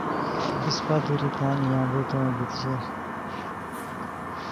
اِسپہ دُوری تان ای یامبو تونج بی شیر